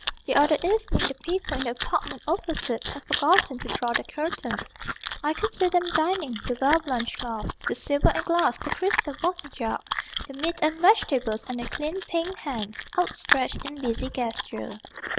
The other evening the people in the apartment opposite Had forgotten to draw their curtains. I could see them dining: the well blanched cloth, The silver and glass, the crystal water jug, The meat and vegetables; and their clean pink hands Outstretched in busy gesture.